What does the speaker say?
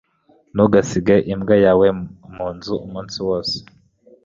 Ntugasige imbwa yawe munzu umunsi wose